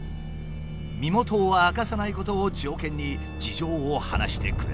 身元を明かさないことを条件に事情を話してくれた。